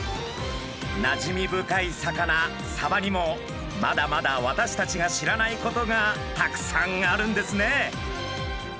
なじみ深い魚サバにもまだまだ私たちが知らないことがたくさんあるんですね。